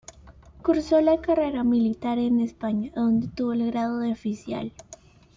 Cursó la carrera militar en España, donde obtuvo el grado de oficial.